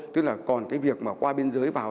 tức là còn cái việc mà qua biên giới vào